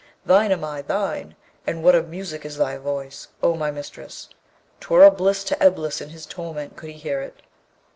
Thine am I, thine! And what a music is thy voice, O my mistress! 'Twere a bliss to Eblis in his torment could he hear it.